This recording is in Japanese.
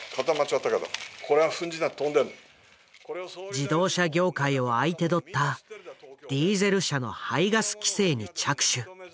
自動車業界を相手取ったディーゼル車の排ガス規制に着手。